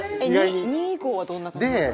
２位以降はどんな感じ？